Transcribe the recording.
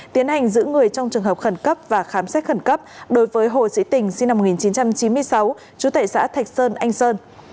tiến hành giữ người trong trường hợp khẩn cấp và khám xét khẩn cấp đối với hồ sĩ tình sinh năm một nghìn chín trăm chín mươi sáu chú tệ xã thạch sơn anh sơn